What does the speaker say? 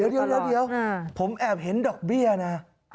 เดี๋ยวผมแอบเห็นดอกเบี้ยนะ